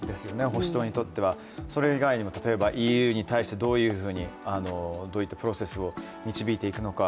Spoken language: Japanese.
保守党にとっては。それ以外に、例えばＥＵに対してどういうふうに、どういったプロセスを導いていくのか。